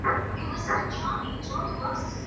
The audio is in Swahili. a zikachakachuliwa huko huko vijijini